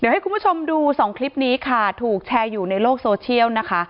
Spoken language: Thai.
ให้คุณผู้ชมดูสองคลิปนี้ค่ะถูกแชร์อยู่ในโลกโซเชียลนะคะ